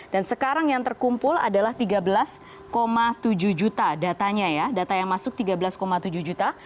dan sekarang yang terkumpul adalah tiga belas tujuh juta datanya ya data yang masuk tiga belas tujuh juta